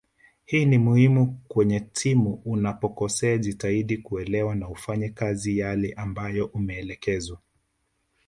Hii ni muhimu kwenye timu unapokosea jitahidi kuelewa na uyafanyie kazi yale ambayo umeelekezwa